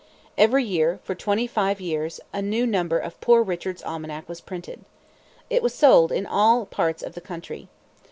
Every year, for twenty five years, a new number of Poor Richard's Almanac was printed. It was sold in all parts of the country.